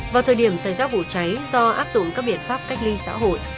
vào thời điểm xảy ra vụ cháy do áp dụng các biện pháp cách ly xã hội